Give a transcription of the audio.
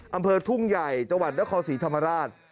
อำเภอทุ่งใหญ่จังหวัดนครศรีธรรมราช